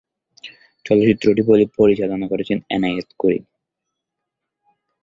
চলচ্চিত্রটি পরিচালনা করেছেন এনায়েত করিম।